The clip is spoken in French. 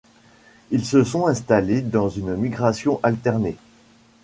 Ils se sont installés dans une migration alternée.